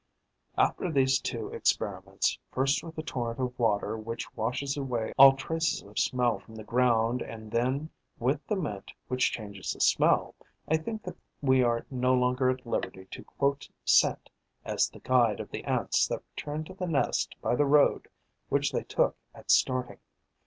After these two experiments, first with the torrent of water which washes away all traces of smell from the ground and then with the mint which changes the smell, I think that we are no longer at liberty to quote scent as the guide of the Ants that return to the nest by the road which they took at starting.